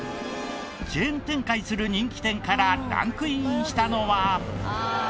チェーン展開する人気店からランクインしたのは。